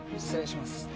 失礼します。